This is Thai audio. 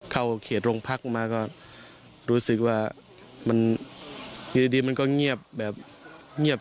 เขาเขียนโรงพรรคมาก็รู้สึกว่ามันอยู่ดีมันก็เงียบ